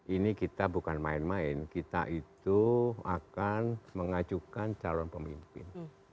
ini kita bukan main main kita itu akan mengajukan calon pemimpin